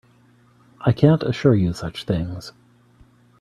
I can't assure you such things.